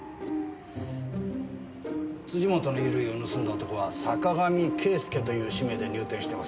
本の衣類を盗んだ男は坂上啓輔という氏名で入店してます。